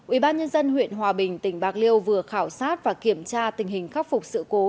ubnd huyện hòa bình tỉnh bạc liêu vừa khảo sát và kiểm tra tình hình khắc phục sự cố